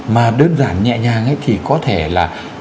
mà đơn giản nhẹ nhàng ấy thì có thể là